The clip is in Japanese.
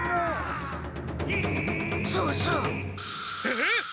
そうそう。えっ！？